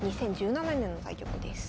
２０１７年の対局です。